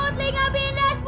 telinga midas bu